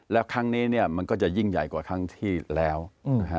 แล้วครั้งนี้เนี่ยมันก็จะยิ่งใหญ่กว่าครั้งที่แล้วนะฮะ